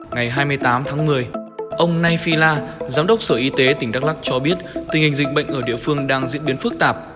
ngày hai mươi tám tháng một mươi ông nay phi la giám đốc sở y tế tỉnh đắk lắc cho biết tình hình dịch bệnh ở địa phương đang diễn biến phức tạp